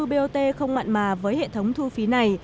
bot không mặn mà với hệ thống thu phí này